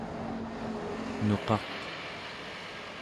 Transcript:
nuqaq